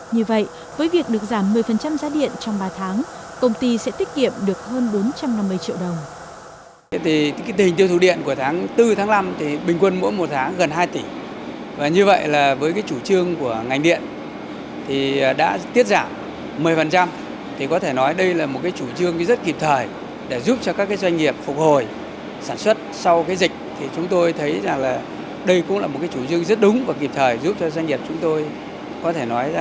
như vậy với việc được giảm một mươi giá điện trong ba tháng công ty sẽ tiết kiệm được hơn bốn trăm năm mươi triệu đồng